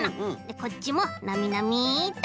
こっちもなみなみっと。